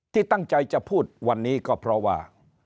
ที่ตั้งใจจะพูดวันนี้ก็เพราะว่า